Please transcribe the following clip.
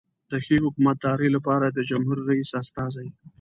د ښې حکومتدارۍ لپاره د جمهور رئیس استازی.